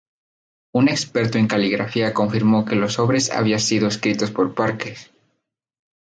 Un experto en caligrafía confirmó que los sobres había sido escritos por Parker.